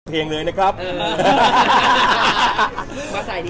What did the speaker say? เพลงเลยนะครับ